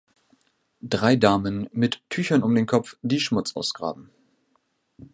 Drei Damen mit Tüchern um den Kopf, die Schmutz ausgraben